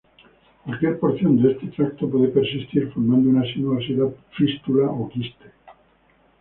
Cualquier porción de este tracto puede persistir formando una sinuosidad, fístula o quiste.